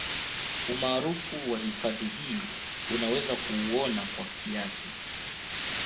Umaarufu wa hifadhi hii unaweza kuuona kwa kiasi